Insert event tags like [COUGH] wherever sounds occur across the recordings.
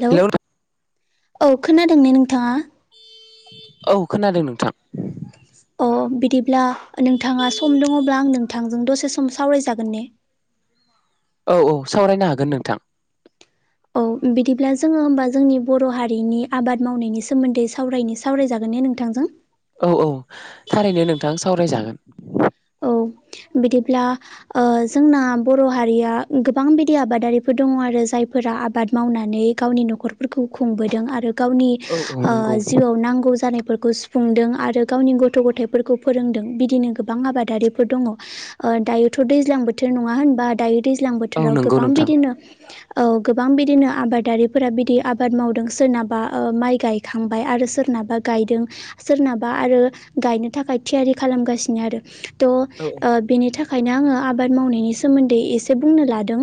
Hello औ खोनादों ने नोंथांङा? औ खोनादों नोंथां। अ बिदिब्ला नोंथांङा सम दंङब्ला आं नोंथांजों दसे सम सावरायजागोन ने? [INAUDIBLE] औ औ सावरायनो हागोन नोंथां औ बिदिब्ला जोंङो होमबा जोंनि बर' हारिनि आबाद मावनायनि सोमोन्दै सावरायनि सावरायजागोन ने नोंथांजों औ औ थारैनो नोंथां सावरायजागोन। औ बिदिब्ला ओ जोंना बर' हारिया गोबां बिदि आबादारिफोर दंङ आरो जाय फोरा आबाद मावनानै गावनि नख'र फोरखौ खुंबोदों आरो गावनि औ औ ओ नंगौ जिउआव नांगौ जानाय फोरखौ सुफुंदों आरो गावनि गथ' गथथायफोरखौ फोरोंदों बिदिनो गोबां आबाद दारिफोर दंङ दायोथ' दैजां बोथोर नंङा होनबा दायो दैज्लां औ बोथोराव नंगौ गोबां नोंथां बिदिनो औ गोबां बिदिनो आबादारिफोरा बिदि आबाद मावदों सोरनाबा ओ माइ गायखांबाय आरो सोर नाबा गायदों सोरनाबा आरो गायनो थाखाय थियारि खालामगासिनो आरो थ'ओ औ बिनि थाखाय ओंखायनो आंङो आबाद मावनायनि सोमोन्दै एसे बुंनो लादों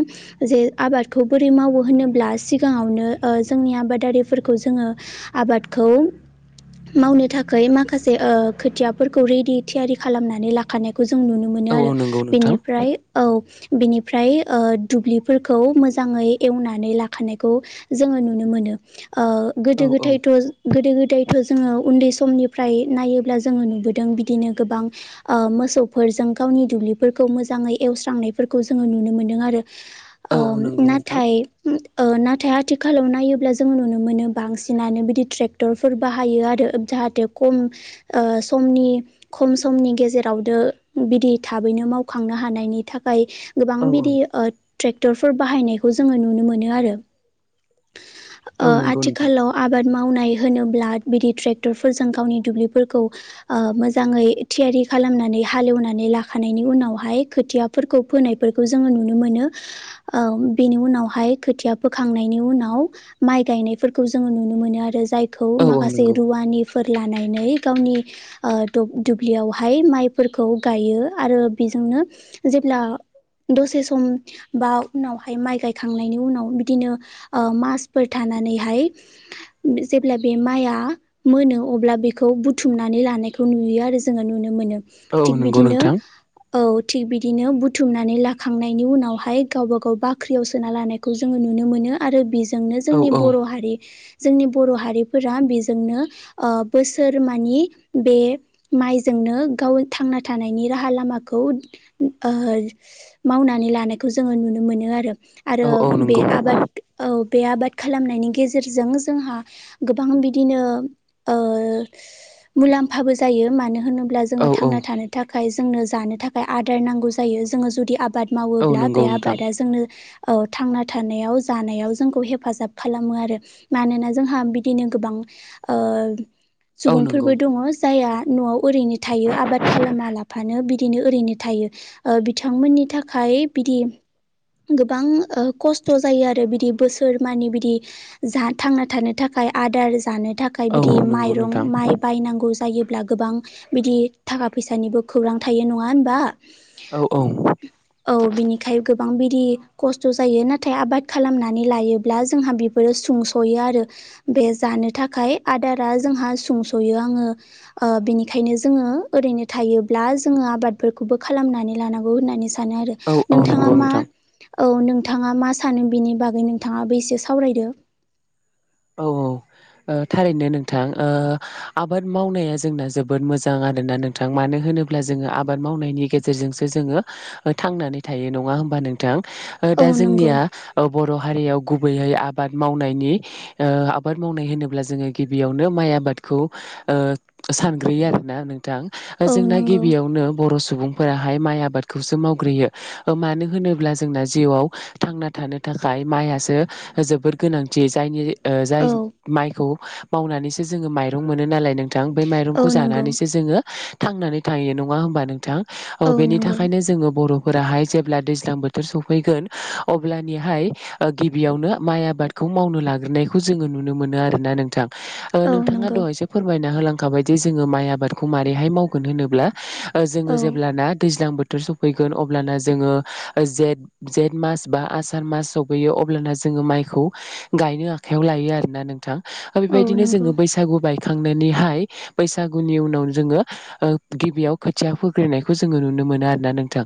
जे आबादखौ बोरै मावो होनोब्ला दा सिगांङावनो ओ जोंनि आबादारिफोरखौ जोंङो आबादखौ मावनो थाखाय माखासे ओ खोथियाफोरखौ रिडि थियारि खालामनानै ला खानायखौ जों नुनो मोनो औ औ आरो नंगौ नोंथां बेनिफ्राय औ बिनिफ्राय ओ दुब्लिफोरखौ मोजांङै एवनानै लाखानायखौ जोंङो नुनो मोनो। ओ गोदो औ औ गोथायथ' गोदो गोदायथ' जोंङो उन्दै स समनिफ्राय नायोब्ला जोंङो नुबोदों बिदिनो गोबां ओ मोसौफोरजों गावनि दुब्लिफोरखौ मोजांङै एवस्रांनायफोरखौ जोंङो नुनो मोनदों आरो ओ औ नंगौ नोंथां नाथाय ओ नाथाय आथिखालाव नायोब्ला जों नुनो मोनो बांसिनानो बिदि ट्रेक्टरफोर बाहायो आरो। जाहाथे खम ओ समनि खम समनि [UNINTELLIGIBLE] जेरावदो बिदि थाबैनो मावखांनो हानायनि थाखाय गोबां औ औ बिदि ओ ट्रेक्टरफोर बाहायनायखौ जोङो नुनो मोनो आरो। ओ औ नंगौ नोंथां आथिखालाव आबाद [UNINTELLIGIBLE] मावनाय होनोब्ला बिदि ट्रेक्टर फोरजों गावनि दुब्लिफोरखौ ओ मोजांङै थियारि खालामनानै हालेवनानै लाखानायनि उनावहाय खोथियाफोरखौ फोनायफोरखौ जोंङो नुनो मोनो। ओ बिनि उनावहाय खोथिया फोखांनायनि उनाव माइ गायनायफोरखौ जोंङो नुनो मोनो आरो जाय [UNINTELLIGIBLE] औ औ माखासे नंगौ रुवानिफोर लानानै गावनि ओ दुब -दुब्लियाव हाय माइफोरखौ गायो आरो बेजोंनो जेब्ला दसे सम बा उनावहाय माइ गायखांनायनि उनाव बिदिनो ओ मासफोर [UNINTELLIGIBLE] [UNINTELLIGIBLE] जेब्ला बे माया मोनो अब्ला बेखौ बुथुमनानै लानाय [UNINTELLIGIBLE] नुयो आरो जोंङो नुनो मोनो। औ थिग नंगौ बिदिनो नोंथां औ थिग बिदिनो बुथुमनानै लाखांनायनि उनावहाय गावबा- गाव बाख्रियाव सोना लानायखौ जोंङो नुनो मोनो आरो बिजोंनो औ जोंनि औ बर' हारि जोंनि बर' हारिफोरा बिजोंनो ओ बोसोर मानि बे माइ जोंनो गाव थांना थानायनि राहा लामाखौ ओ मावनानै लानायखौ जोंङो नुनो मोनो आरो। आरो औ औ बे नंगौ आबाद औ बे आबाद खालामनायनि गेजेरजों जोंहा गोबां बिदिनो ओ मुलाम्फाबो जायो मानो होनोब्ला औ जोङो औ थांना थानो थाखाय जोंनो जानो थाखाय आदार नांगौ जायो जोङो जुदि आबाद औ मावोब्ला नंगौ बे नोंथां आबादा जोंनो थांना थानायाव जानायाव जोंखौ हेफाजाब खालामो आरो। मानोना जोंहा बिदिनो गोबां ओ औ नंगौ सुबुंफोरबो दङ जायहा न'आव ओरैनो थायो आबाद खालामा लाफानो बिदिनो ओरैनो थायो बिथांमोननि थाखाय [UNINTELLIGIBLE] गोबां खस्थ' जायो आरो बिदि बोसोर मानि बिदि जा थांना थानो [UNINTELLIGIBLE] [UNINTELLIGIBLE] आदार जानो थाखाय औ बिदि औ नंगौ माइरं नोंथां माइ बायनांगौ जायोब्ला गोबां बिदि थाखा फैसानिबो खौरां थायो नङा होनबा? औ औ औ बिनिखाय [UNINTELLIGIBLE] [UNINTELLIGIBLE] बिदि खस्थ' जायो नाथाय आबाद खालामनानै लायोब्ला जोंहा बेफोरो सुंस'यो आरो। बे जानो थाखाय आदारा जोंहा सुंस'यो आङो ओ बिनि [UNINTELLIGIBLE] जोङो ओरैनो थायोब्ला जोङो आबादफोरखौबो खालामनानै लानांगौ होननानै। सानो आरो औ औ नोंथाङा नंगौ मा नोंथां औ नोंथाङा मा सानो बिनि बागै नोंथाङाबो एसे सावरायदो। औ औ। थारैनो नोंथां ओ आबाद मावनाया जोंना जोबोद मोजां आरोना नोंथां मानो [UNINTELLIGIBLE] होनोब्ला जोङो आबाद मावनायनि गेजेरजोंसो जोङो थांनानै थायो नङा होमबा नोंथां? औ दा नंगौ जोंनिया बर' हारियाव गुबैयै आबाद मावनायनि ओ आबाद मावनाय होनोब्ला जोङो गिबियावनो माइ आबादखौ ओ सानग्रोयो आरोना [UNINTELLIGIBLE] [UNINTELLIGIBLE] औ जोंना नंगौ गिबियावनो बर' [UNINTELLIGIBLE] [UNINTELLIGIBLE] माइ आबादखौसो मावग्रोयो। मानो होनोब्ला जोंना जिउआव थांना थानो [UNINTELLIGIBLE] [UNINTELLIGIBLE] माइआसो जोबोर गोनांथि जायनि जाय औ माइखौ मावनानैसो जोङो माइरं मोनो नालाय [UNINTELLIGIBLE] [UNINTELLIGIBLE] बे औ माइरंखौ नंगौ जानानैसो जोङो थांनानै थायो नङा होमबा नोंथां? औ बेनि नंगौ थाखायनो जोङो बर' [UNINTELLIGIBLE] जेब्ला दैज्लां बोथोर सफैगोन अब्लानिहाय गिबियावनो माइ आबादखौ न'वाव मावनो लाग्रोनायखौ जों नुनो मोनो आरो नोंथां औ नोंथाङा नंगौ दहायसो फोरमायना होलां माबायदि जोङो माइ आबादखौ मारोरैहाय मावगोन होनोब्ला जोङो औ जेब्लाना दैज्लां [UNINTELLIGIBLE] [UNINTELLIGIBLE] सफैगोन अब्ला जोङो जेठ- जेठ मास बा आसार मास सफैयो अब्ला ना जों माइखौ गायनो आखाइयाव लायो आरोना नोंथां बे औ बायदिनो नंगौ जो बैसागु बाय खांनानैहाय बैसागुनि उनाव जोङो गिबियाव खोथिया फोग्रोननायखौ जोङो नुनो मोन आरोना नोंथां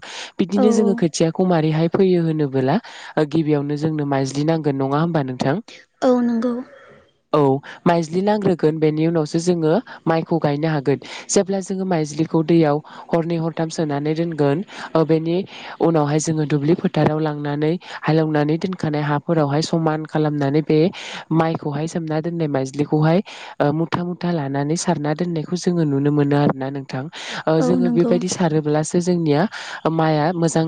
औ बिदिनो औ जोङो खोथियाखौ मारैहाय फैयो होनोबोला गिबियावनो जोंनो माइ ज्लि नांगोन नङा होमबा नोंथां? औ नंगौ। औ माइज्लि लांग्रोगोन बेनि उनावसो जोङो माइखौ गायनो हागोन जेब्ला जोङो माइज्लिखौ दैयाव हरनै हरथाम सोनानै दोनगोन बेनि उनावहाय जोङो दुब्लि फोथाराव लांनानै हालेवनानै दोनखानाय हाफोरावहाय समान खालामनानै बे माइखौहाय सोमना दोननाय माइज्लिखौहाय मुथा मुथा लानानै सारना दोननायखौ जों जोङो नुनो मोनो आरोना नोंथां औ जोङो नंगौ बेबायदि सारोब्ला जोंनिया माइआ मोजां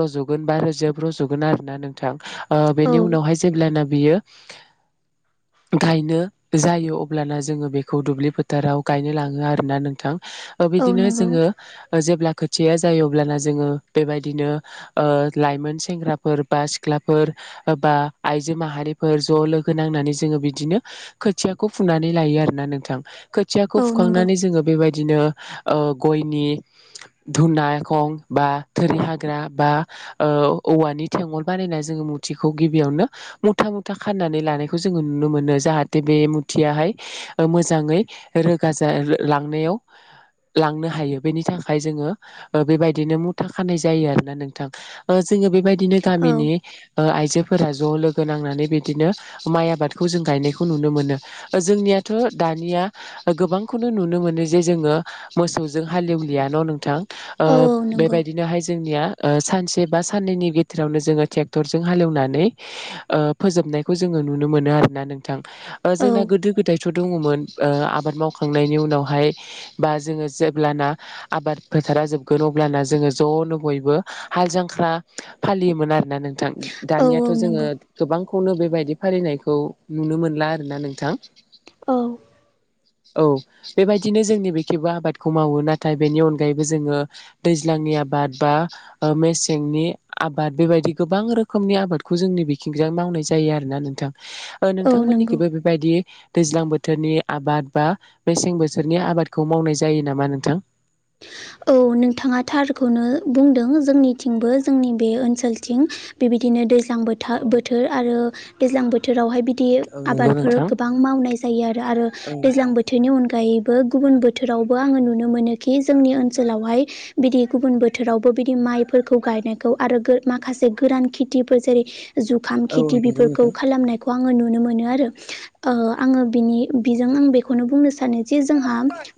रज'गोन बा रोजोब रज'गोन आरो ना नोंथां बेनि औ उनावहाय जेब्लाना बियो [INAUDIBLE] गायनो जायो अब्लाना जोङो बेखौ दुब्लि फोथाराव गायनो लाङो आरोना नोंथां औ बिदिनो नंगौ जोङो जेब्ला खो थिया जायो अब्लाना जोङो बेबायदिनो ओ लाइमोन सेंग्राफोर बा सिख्लाफोर बा आइजो माहारि फोर ज' लोगो नांनानै जोङो बिदिनो खोथियाखौ फुनानै लायो आरोना नोंथां खोथियाखौ औ नंगौ फुखांनानै जोङो बे बायदिनो ओ गयनि धुनाखं बा थोरि हाग्रा बा ओ औवानि थेंगल बानायना जोङो थिखौ गिबियावनो मुथा मुथा खाननानै लानायखौ जोङो नुनो मोनो जाहाथे बे मुथियाहाय ओ मोजाङै रो गाजा लांनायाव लांनो हायो बेनि थाखाय जोङो ओ बेबायदिनो मुथा खानाय जायो आरोना नोंथां जोङो बेबायदि दिनो औ गामिनि आइजोफोरा ज लोगो गो नांनानै बिदिनो माइ आबादखौ जों गायनायखौ नुनो मोनो ओ जोंनियाथ दानिया गोबांखौनो नुनो मोनो जे जोङो मोसौजों हालेवलिया न नोंथां ओ औ औ नंगौ बेबायदिनोहाय जोंनिया ओ सानसे बा साननैनि गेजेरावनो जोङो ट्रेक्टरजों हालेवनानै ओ फोजोबनायखौ जोङो नुनो मोनो आरोना नोंथां औ जोंना गोदो गोदाय थ दङमोन ओ आबाद मावखांनायनि उनावहाय बा जोङो जेब्लाना आबाद फोथार जोबगोन अब्लाना जोङो जनो बयबो हाल जांख्रा फालियोमोन आरो ना नोंथां औ दानियाथ औ जोङो नंगौ गोबांखौनो बेबायदि फालिनायखौ नुनो मोनला आरोना नोंथां औ औ बेबायदिनो जोंनि बेखैबो आबादखौ मावो नाथाय बेनि अनगायैबो जोङो दैज्लांनि आबाद बा ओ मेसेंनि आबाद बेबायदि गोबां रोखोमनि आबादखौ जोंनि बिखिंजा मावनाय जायो आरो ना नोंथां ओ औ नोंथां नंगौ मोननिखिबो बेबायदि दैज्लां बोथोरनि आबाद बा मेसें बोथोरनि आबादखौ मावनाय जायो नामा नोंथां [INAUDIBLE] औ नोंथाङा थारखौनो बुंदों जोंनिथिंबो जोंनि बे ओनसोलथिं बिदि बिदिनो दैज्लां बोथा औ बोथोर आरो दैज्लां बोथोर बोथोरावहाय बिदि औ नंगौ आबादफोर नोंथां गोबां मावनाय जायो आरो आरो औ दैज्लां बोथोरनि अनगायै गुबुन बोथोरावबो आङो नुनो मोनोखि जोंनि ओनसोल ओनसोलावहाय बिदि गुबुन बोथोरावबो बिदि माइफोरखौ गायनायखौ आरो गो माखासे गोरान खि जेरै जुखाम औ नंगौ खेथिफोरखौ नोंथां खालामनाय आङो नुनो मोनो आरो आङो बिनि बिजों आं बेखौनो बुंनो सानो जे जोंहा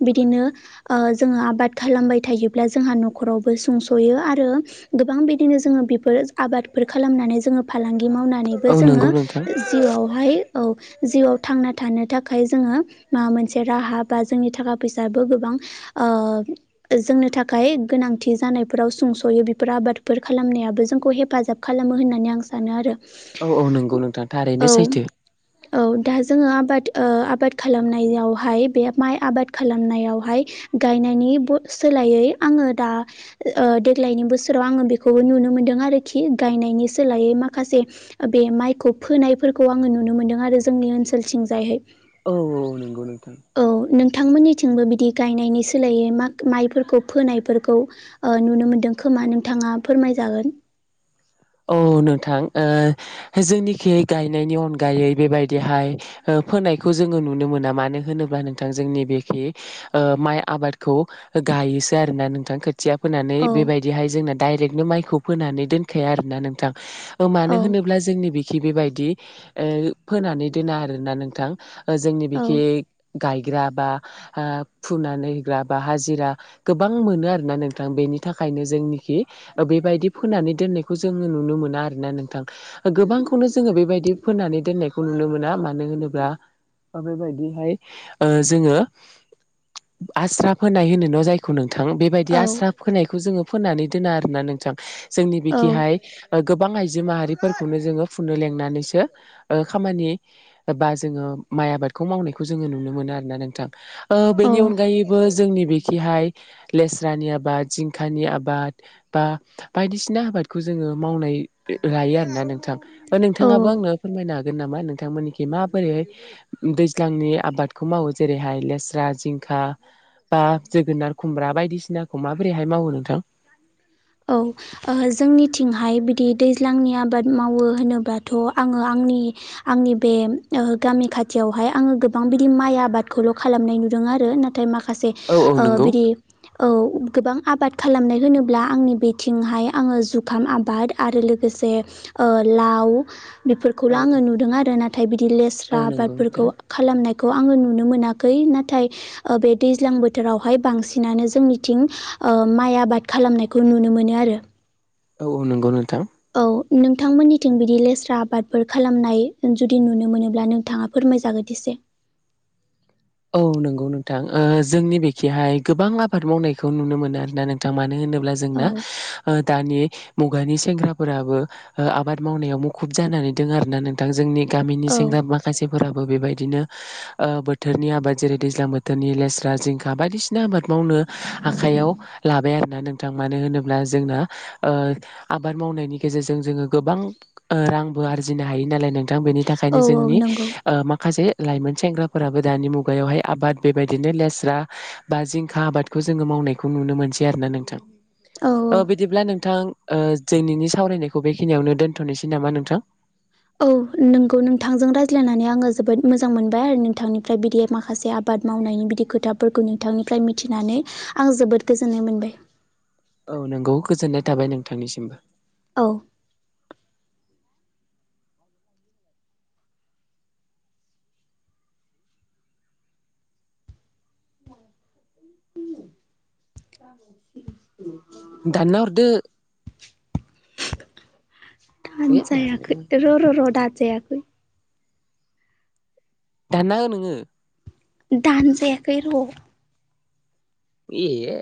बिदिनो ओ जोङो आबाद खालामबाय थायोब्ला जोंहा नखरावबो सुंसयो आरो गोबां बिदिनो जोङो बेफोर आबाद बेफार खालामनानै जोङो फालांगि मावनानैबो औ जोङो नंगौ नोंथां जिउआवहाय औ जिउआव थांना थानो थाखाय जोङो माबा मोनसे राहा बा जोंनि थाखा फैसाबो गोबां ओ जोंनो थाखाय गोनांथि जानायफोराव सुंसयो बेफोर आबादफोर खालामनायाबो जोंखौ हेफाजाब खालाम खालामो होननानै आं सानो आरो। औ औ नोंगौ नोंथां थारैनो औ सैथो। औ दा जोङो आबाद ओ आबाद खालामनायावहाय बे माइ आबाद खालामनायावहाय गायनायनि ब सोलायै आङो दा ओ देग्लायनि बोसोराव आङो बेखौबो नुनो मोनदों आरोखि गायनाय नि सोलायै माखासे बे माइखौ फोनायफोरखौ आङो नुनो मोनदों आरो जोंनि ओनसोलथिं जायहाय। औ औ नोंगौ नोंथां। नोंथांमोननिथिंबो बिदि गायनायनि सोलायै मा माइफोरखौ फोनायफोरखौ ओ नुनो मोनदों खोमा नोंथाङा फोरमायजागोन। [INAUDIBLE] औ नोंथां ओ जोंनिखै गायनायनि अनगायै बेबायदिहाय ओ फोनायखौ जोङो नुनो मोना मानो होनोब्ला नोंथां जोंनि बेखि ओ माइ आबादखौ गायोसो आरो ना नोंथां खोथिया फोनानै औ बेबायदिहाय जोंना दडाइरेक्टनो माइखौ फोनानै दोनखाया आरोना नोंथां। मानो औ होनोब्ला जोंनि बिखि बेबायदि ओ फोनानै दोना आरोना नोंथां। जोंनि औ बिखि गायग्रा बा ओ फुनानै होग्रा बा हाजिरा गोबां मोनो आरो ना नोंथां बे थाखायनो जोंनिखि ओ बेबायदि फोननानै दोननाय खौ जोङो नुनो मोना आरोना नोंथां गोबांखौनो जोङो बेबायदि फोननानै दोननायखौ नुनो मोना मानो होनोब्ला बेबायदिहाय ओ जोङो आस्रा फोनाय होनोन' जायखौ नों थां बेबायदि आसस्रा फोनायखौ जोङो फोननानै दोना आरोना नोंथां जोंनि बे औ जो माहारिफोरखौनो जोङो फुननो लेंनानैसो ओ खामानि बा जोङो माइ आबाद। खौ मावनायखौ जोङो नुनो मोनो आरोना नोंथां। ओ बेनि औ अनगायैबो जोंनि बेखिहाय लेस्रानि आबाद जिंखानि आबाद। बा बायदिसिना आबाद। खौ जोङो मावनाय लायो आरोना नोंथां नोंथाङाबो औ आंनो फोरमायना गोन नामा नोंथांमोनिखि माबोरैहाय दैज्लांनि आबादखौ मावो जेरैहाय लेस्रा जिंखा बा जोगोनार खुमब्रा बायदिसिनाखौ माबोरैहाय मावो नोंथां। औ ओ जोंनिथिंहाय बिदि दैज्लांनि आबाद मावो होनोबाथ' आङो आंनि आंनि बे ओ गामि खाथियावहाय आङो गोबां बिदि माइ आबादखौल' खालामनाय नुदों। दों आरो नाथाय माखासे औ औ ओ नंगौ। बिदि औ गोबां आबाद खालामनाय होनो ब्ला आंनि बिथिंहाय आङो जुखाम आबाद आरो लोगोसे ओ लाव बेफोरखौल' औ आङो औ नुदों आरो नाथाय बिदि औ लेस्रा नंगौ आबादफोरखौ नोंथां खालामनाय खौ आङो नुनो मोनाखै नाथाय ओ बे दैज्लां बोथोरावहाय बांसिनानो जोंनिथिं ओ माइ आबाद खालामनायखौ नुनो मोनो आरो। औ औ नंगौ नोंथां। औ नोंथांमोननिथिं बिदि लेस्रा आबादफोर खालामनाय जुदि नुनो मोनोब्ला नोंथाङा फोर [UNINTELLIGIBLE] औ नंगौ नोंथां ओ जोंनि बेखिहाय गोबां आबाद मावनायखौ नुनो मोनो आरोना नोंथां मानो होनो ब्ला औ जोंना ओ दानि मु गानि सेंग्राफोराबो आबाद मावनायाव मुखुब जानानै दं आरोना नोंथां जोंनि गामिनि औ सेंग्रा माखासेफोराबो बेबायदिनो ओ बोथोर थोरनि आबाद जेरै दैज्लां बोथोरनि लेस्रा जिंखा बायदिसिना आबाद। मावनो आखायाव लाबाय आरोना नोंथां। मानो होनोब्ला जोंना ओ आबाद मावनायनि गेजेरजों जोङो गोबां ओ रांबो आरजिनो हायोनालाय नोंथां बेनि थाखायनो औ औ जोंनि नंगौ ओ माखासे लाइमोन सेंग्राफोराबो दानि मुगायावहाय आबाद बेबायदिनो लेस रा बा जिंखा आबादखौ जोङो मावनायखौ नुनो मोनसै आरो ना नोंथां। औ औ ओ बिदिब्ला नोंथां ओ दिनैनि सावरायनायखौ बेखिनियावनो दोनथ'नोसै नामा नोंथां? औ नोंगौ नोंथांजों रायज्लायनानै आङो जोबोद मोजां मोनबाय आरो नोंथांनिफ्राय बिदि माखासे आबाद मावनायनि बिदि खोथाफोरखौ नोंथांनिफ्राय मिथिनानै आं जोबोद गोजोननाय मोनबाय। औ नोंगौ गोजोननाय थाबाय नोंथांनिसिमबो। औ [INAUDIBLE] दाननाहरदो। दानो दानजायाखै र' र' र' दान जायाखै। दानना हो नोङो। दानजायाखै र'। एह